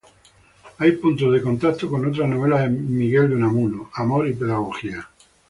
Hay puntos de contacto con otra novela de Miguel de Unamuno, "Amor y pedagogía".